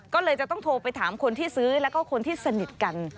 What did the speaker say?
ก็เลยจะต้องโทรไปถามคนที่ซื้อแล้วก็คนที่สนิทกัน